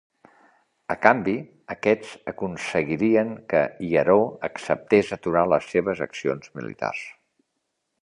A canvi, aquests aconseguiren que Hieró acceptés aturar les seves accions militars.